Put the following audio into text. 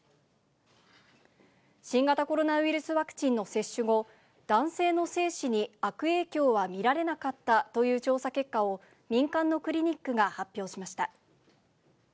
新型コロナウイルスワクチンの接種後、男性の精子に悪影響は見られなかったという調査結果を、民間のクリニックが発表しました。